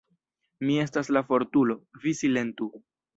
"Mi estas la fortulo, vi silentu.